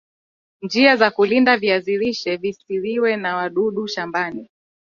Njia za kulinda viazi lishe visiliwe na wadudu shambani